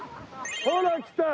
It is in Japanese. ほらきた！